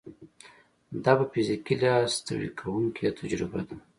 دا په فزیکي لحاظ ستړې کوونکې تجربه ده.